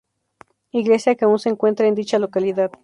Iglesia que aún se encuentra en dicha localidad.